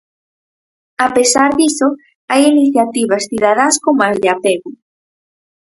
A pesar diso, hai iniciativas cidadás como as de Apego.